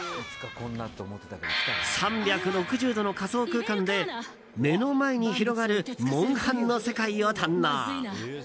３６０度の仮想空間で目の前に広がる「モンハン」の世界を堪能。